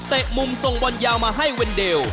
เตะมุมทรงวันยาวมาให้เว็นเดล